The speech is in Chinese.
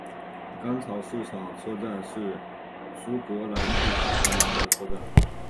干草市场车站是苏格兰第八繁忙的车站。